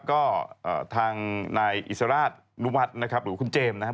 ก็ทางนายอิสราชนุวัฒน์นะครับหรือคุณเจมส์นะครับ